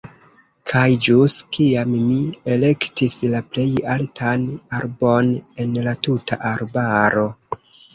Kaj ĵus kiam mi elektis la plej altan arbon en la tuta arbaro.